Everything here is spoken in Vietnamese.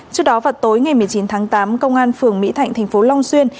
trước đó vào tối ngày một mươi chín tháng tám công an phường mỹ thạnh thành phố long xuyên